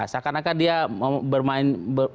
seakan akan dia bermain